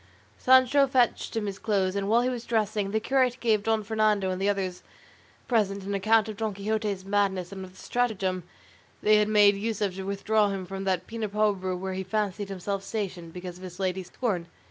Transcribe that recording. Sancho fetched him his clothes; and while he was dressing, the curate gave Don Fernando and the others present an account of Don Quixote's madness and of the stratagem they had made use of to withdraw him from that Pena Pobre where he fancied himself stationed because of his lady's scorn.